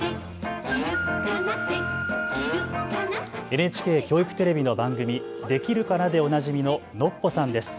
ＮＨＫ教育テレビの番組、できるかなでおなじみのノッポさんです。